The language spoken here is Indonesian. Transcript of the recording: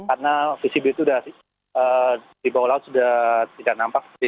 karena visibil itu sudah di bawah laut sudah tidak nampak